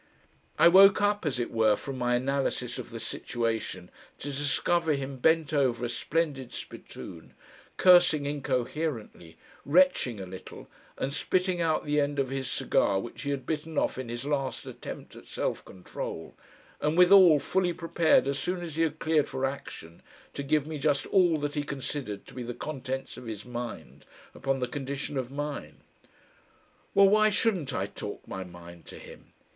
I woke up as it were from my analysis of the situation to discover him bent over a splendid spittoon, cursing incoherently, retching a little, and spitting out the end of his cigar which he had bitten off in his last attempt at self control, and withal fully prepared as soon as he had cleared for action to give me just all that he considered to be the contents of his mind upon the condition of mine. Well, why shouldn't I talk my mind to him?